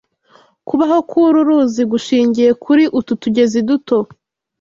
Kubaho k’uru ruzi gushingiye kuri utu tugezi duto